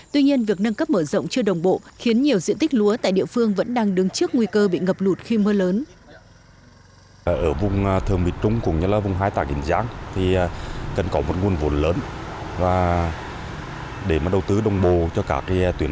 tuy nhiên việc nâng cấp mở rộng chưa đồng bộ khiến nhiều diện tích lúa tại địa phương vẫn đang đứng trước nguy cơ bị ngập lụt khi mưa lớn